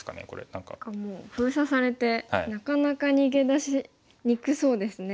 何かもう封鎖されてなかなか逃げ出しにくそうですね。